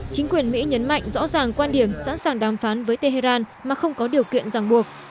chính quyền mỹ nhấn mạnh rõ ràng quan điểm sẵn sàng đàm phán với tehran mà không có điều kiện ràng buộc